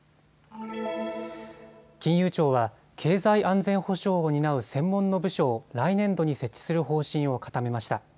金融庁は経済安全保障を担う専門の部署を来年度に設置する方針を固めました。